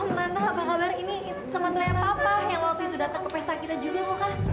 tante apa kabar ini temennya papa yang waktu itu datang ke pesta kita juga mohka